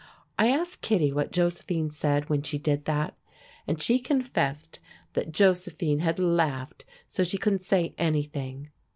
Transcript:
I asked Kittie what Josephine said when she did that, and she confessed that Josephine had laughed so she couldn't say anything.